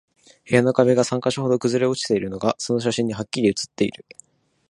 部屋の壁が三箇所ほど崩れ落ちているのが、その写真にハッキリ写っている